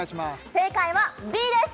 正解はＢです！